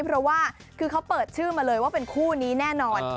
เพราะว่าคือเขาเปิดชื่อมาเลยว่าเป็นคู่นี้แน่นอน